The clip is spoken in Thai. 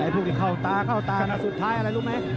ไอ้ผู้ที่เข้าตาสุดท้ายอะไรรู้ไหม